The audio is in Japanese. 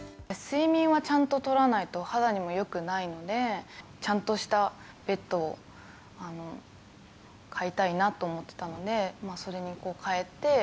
睡眠はちゃんととらないと、肌にもよくないので、ちゃんとしたベッドを買いたいなと思ってたので、それに変えて。